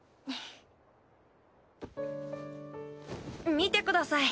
見てください